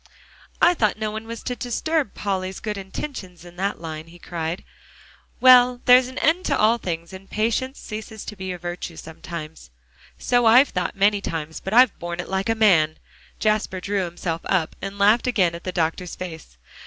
"I thought no one was to disturb Polly's good intentions in that line," he cried. "Well, there's an end to all things, and patience ceases to be a virtue sometimes." "So I've thought a good many times, but I've borne it like a man." Jasper drew himself up, and laughed again at the doctor's face.